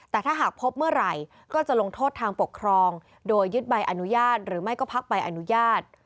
แต่ถ้าหากพบเมื่อไหร่ก็จะลงโทษทางปกครองโดยยึดใบอนุญาตหรือไม่ก็พักใบอนุญาต